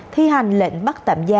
thi hành lệnh bắt tạm gia